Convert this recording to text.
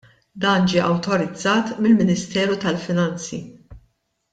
Dan ġie awtorizzat mill-Ministeru tal-Finanzi.